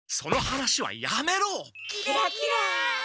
キラキラ。